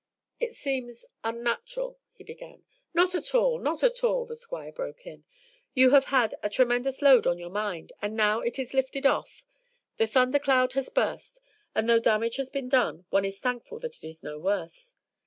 "It seems unnatural " he began. "Not at all, not at all," the Squire broke in. "You have had a tremendous load on your mind, and now it is lifted off; the thundercloud has burst, and though damage has been done, one is thankful that it is no worse.